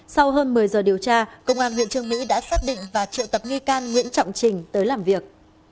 sau hơn một mươi giờ điều tra công an huyện trương mỹ đã xác định và triệu tập nghi can nguyễn trọng trình tới làm việc